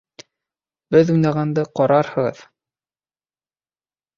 Беҙ уйнағанды ҡарарһығыҙ!